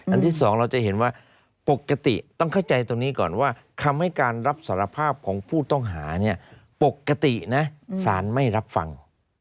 ที่สองเราจะเห็นว่าปกติต้องเข้าใจตรงนี้ก่อนว่าคำให้การรับสารภาพของผู้ต้องหาเนี่ยปกตินะสารไม่รับฟัง